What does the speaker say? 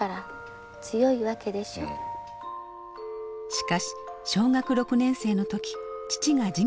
しかし小学６年生の時父が事業に失敗。